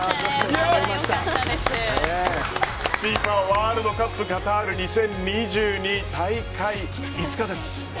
ワールドカップカタール２０２２大会５日です。